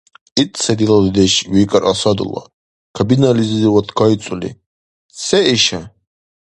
— Ит сай дила дудеш, — викӀар Асадулла, кабинализивад кайцӀули. — Се иша?